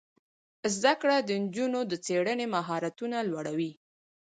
زده کړه د نجونو د څیړنې مهارتونه لوړوي.